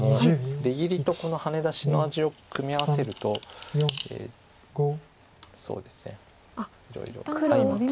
出切りとこのハネ出しの味を組み合わせるとそうですね。